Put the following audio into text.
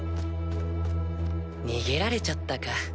逃げられちゃったか。